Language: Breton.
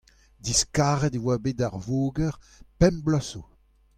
diskaret e oa bet ar voger pemp bloaz zo.